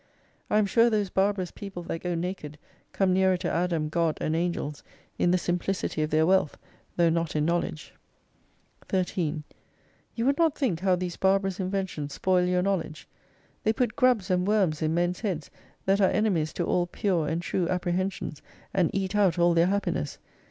I am sure those barbarous people that go naked, come nearer to Adam, God, and Angels in the simplicity of their wealth, though not in know ledge. 13 You would not think how these barbarous inventions spoil your knowledge. They put grubs and worms in men's heads that are enemies to all pure and true appre hensions, and eat out all their happiness.